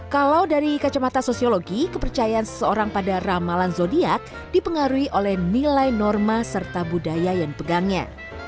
kalau dari kacamata sosiologi kepercayaan seseorang pada ramalan zodiac dipengaruhi oleh nilai norma serta budaya yang dipegangnya